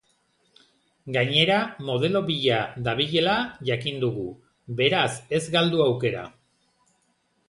Gainera, modelo bila dabilela jakin dugu, beraz, ez galdu aukera.